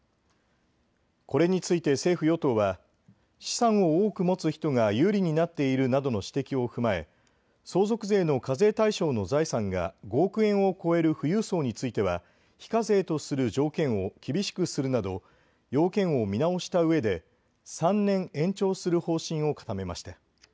これについて政府与党は資産を多く持つ人が有利になっているなどの指摘を踏まえ相続税の課税対象の財産が５億円を超える富裕層については非課税とする条件を厳しくするなど要件を見直したうえで３年延長する方針を固めました。